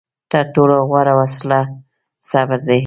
تر ټولو غوره وسله صبر دی.